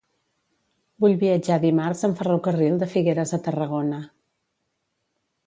Vull viatjar dimarts en ferrocarril de Figueres a Tarragona.